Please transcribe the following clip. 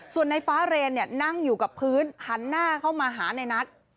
ส่วนในฟ้าเรนนั่งอยู่กับพื้นหันหน้าเข้ามาหาในนัท